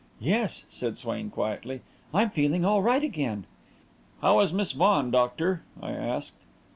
"Yes," said Swain quietly, "I'm feeling all right again." "How is Miss Vaughan, doctor?" I asked.